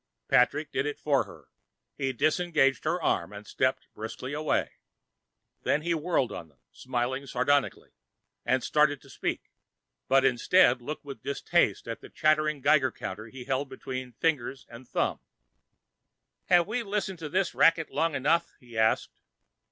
Patrick did it for her. He disengaged her arm and stepped briskly away. Then he whirled on them, smiling sardonically, and started to speak, but instead looked with distaste at the chattering Geiger counter he held between fingers and thumb. "Have we listened to this racket long enough?" he asked.